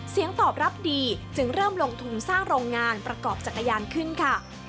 เสียงตอบรับดีจึงเริ่มลงทุนสร้างโรงงานประกอบจักรยานขึ้นค่ะ